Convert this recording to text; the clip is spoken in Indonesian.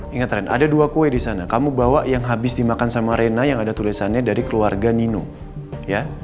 ingat ren ada dua kue di sana kamu bawa yang habis dimakan sama rena yang ada tulisannya dari keluarga nino ya